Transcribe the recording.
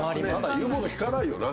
言うこと聞かないわな。